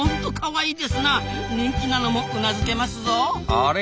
あれ？